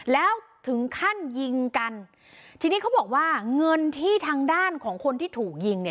แล้วถึงขั้นยิงกันทีนี้เขาบอกว่าเงินที่ทางด้านของคนที่ถูกยิงเนี่ย